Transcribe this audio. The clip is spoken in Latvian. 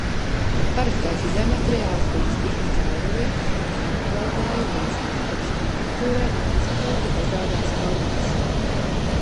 Parastais izejmateriāls bija stikla caurulītes, kuras nokveldēja līdz kušanas temperatūrai un izpūta dažādās formās.